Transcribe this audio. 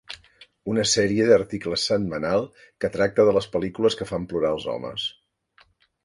Una sèrie d'articles setmanal que tracta de les pel·lícules que fan plorar els homes.